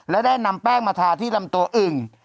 และได้นำแป้งมาทาที่ลำตัวอึ่ง